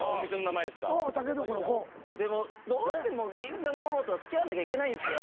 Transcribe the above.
でもどうしても銀座のママとは付き合わなきゃいけないんすよ。